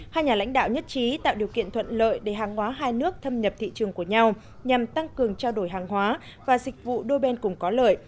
hai nhà lãnh đạo nhất trí tạo điều kiện thuận lợi để hàng hóa hai nước thâm nhập thị trường của nhau nhằm tăng cường trao đổi hàng hóa và dịch vụ đôi bên cùng có lợi